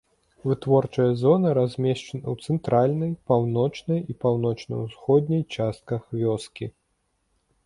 Вытворчая зона размешчана ў цэнтральнай, паўночнай і паўночна-ўсходняй частках вёскі.